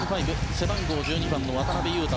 背番号１２番の渡邊雄太